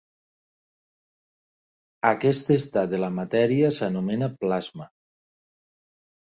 Aquest estat de la matèria s'anomena plasma.